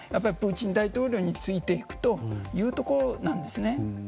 プーチン大統領についていくというところなんです。